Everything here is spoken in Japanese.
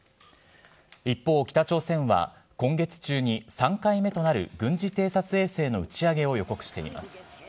一方、北朝鮮は、今月中に３回目となる軍事偵察衛星の打ち上げを予告しています。